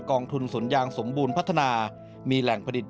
องทุนสวนยางสมบูรณ์พัฒนามีแหล่งผลิต